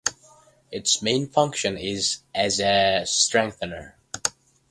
Its main function is as a strengthener.